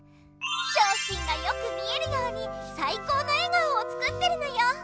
しょうひんがよく見えるようにさいこうの笑顔を作ってるのよ。